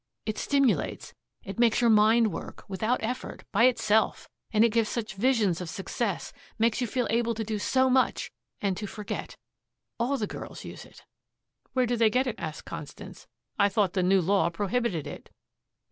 It stimulates. It makes your mind work without effort, by itself. And it gives such visions of success, makes you feel able to do so much, and to forget. All the girls use it." "Where do they get it?" asked Constance "I thought the new law prohibited it."